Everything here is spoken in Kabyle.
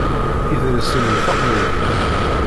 Idles-im d taqbaylit.